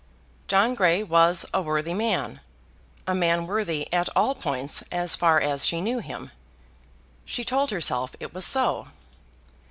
John Grey was a worthy man, a man worthy at all points, as far as she knew him. She told herself it was so.